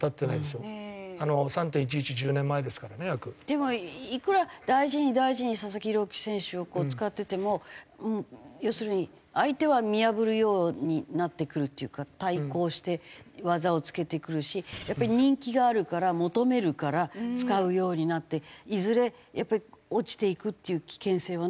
でもいくら大事に大事に佐々木朗希選手を使ってても要するに相手は見破るようになってくるっていうか対抗して技をつけてくるしやっぱり人気があるから求めるから使うようになっていずれやっぱり落ちていくっていう危険性はないんですか？